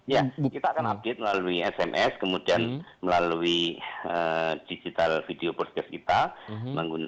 ya kita akan update melalui sms kemudian melalui digital video podcast kita